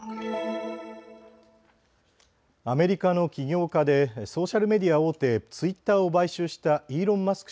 アメリカの起業家でソーシャルメディア大手、ツイッターを買収したイーロン・マスク